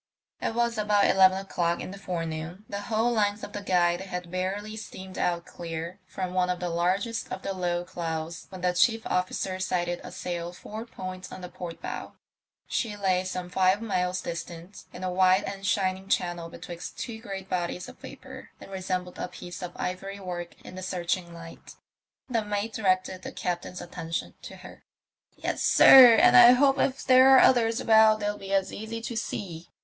It was about eleven o'clock in the forenoon; the whole length of the Guide had barely steamed out clear from one of the largest of the low clouds when the chief officer sighted a sail four points on the port bow. She lay some five miles distant, in a wide and shining channel betwixt two great bodies of vapour, and re sembled a piece of ivory work in the searching light. The mate directed the captain's attention to her. TEi: MYSTEBT OF THE ''OCEAN STAR.'* 8 "Yes, sir; and I hope if there are others about they'll be as easy to see."